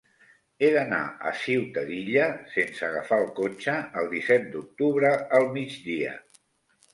He d'anar a Ciutadilla sense agafar el cotxe el disset d'octubre al migdia.